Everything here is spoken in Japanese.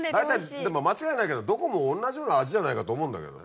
でも間違いないけどどこも同じような味じゃないかと思うんだけどね。